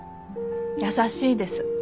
優しいです。